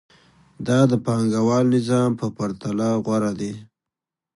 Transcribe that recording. دا د پانګوال نظام په پرتله غوره دی